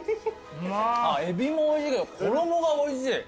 えびもおいしいけど衣がおいしい。